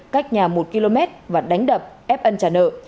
cách nhà một km và đánh đập ép ân trả nợ